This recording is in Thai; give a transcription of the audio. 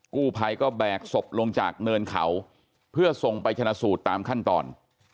กู้ภัยก็แบกศพลงจากเนินเขาเพื่อส่งไปชนะสูตรตามขั้นตอน